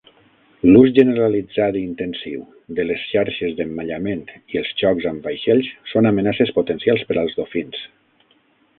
L'ús generalitzat i intensiu de les xarxes d'emmallament i els xocs amb vaixells són amenaces potencials per als dofins.